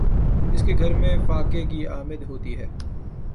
اس کے گھر میں فاقے کی آمد ہوتی ہے